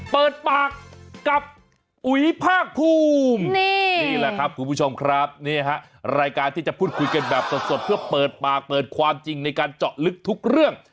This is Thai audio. เปิดปากกับอุ๋ยภาคภูมินี่แหละครับคุณผู้ชมครับนี่ฮะรายการที่จะพูดคุยกันแบบสดเพื่อเปิดปากเปิดความจริงในการเจาะลึกทุกเรื่อง